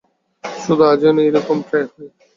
শুধু আজই নয়, এরকম প্রায়ই হয়।